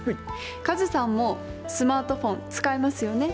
カズさんもスマートフォン使いますよね？